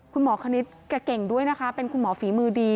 คุณหมอคณิตแกเก่งด้วยนะคะเป็นคุณหมอฝีมือดี